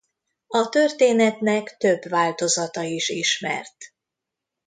A történetnek több változata is ismert.